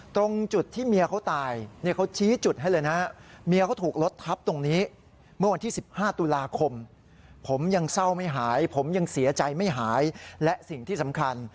ตรงจุดที่เมียเขาตายเขาชี้จุดให้เลย